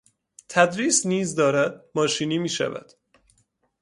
تدریس نیز دارد ماشینی میشود.